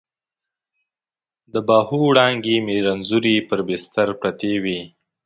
د باهو وړانګې مې رنځورې پر بستر پرتې وي